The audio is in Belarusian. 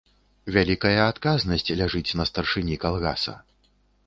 Вялікая адказнасць ляжыць на старшыні калгаса.